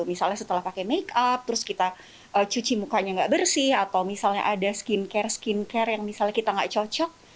misalnya setelah pakai make up terus kita cuci mukanya nggak bersih atau misalnya ada skincare skincare yang misalnya kita nggak cocok